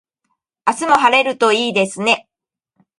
明日も晴れるといいですね。